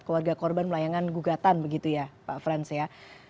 keluarga korban melayangkan gugatan begitu ya pak frans ya